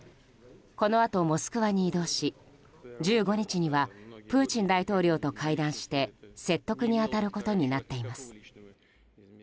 このあと、モスクワに移動し１５日にはプーチン大統領と会談して説得に当たることになっています。